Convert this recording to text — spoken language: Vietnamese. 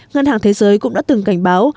ngân hàng thế giới cũng đã từng cảnh báo